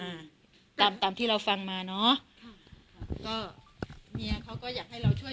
อ่าตามตามที่เราฟังมาเนอะค่ะค่ะก็เมียเขาก็อยากให้เราช่วย